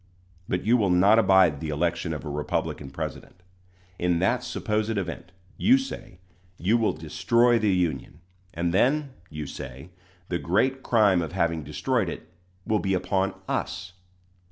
But you will not abide the election of a Republican president! In that supposed event, you say, you will destroy the Union; and then, you say, the great crime of having destroyed it will be upon us!